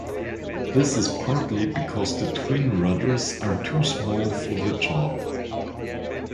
This is partly because the twin rudders are too small for the job.